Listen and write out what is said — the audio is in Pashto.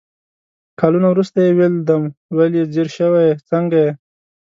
کالونه ورورسته يې ويلدم ول يې ځير شوي يې ، څنګه يې ؟